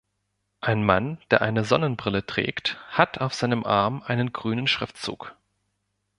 Ein Mann, der eine Sonnenbrille trägt, hat auf seinem Arm einen grünen Schriftzug.